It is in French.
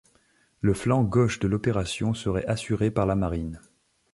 Le flanc gauche de l'opération serait assuré par la marine.